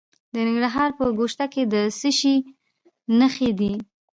د ننګرهار په ګوشته کې د څه شي نښې دي؟